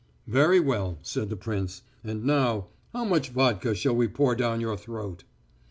"Very well," said the prince. "And now, how much vodka shall we pour down your throat?"